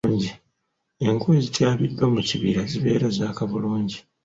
Enku ezityabiddwa mu kibira zibeera zaaka bulungi.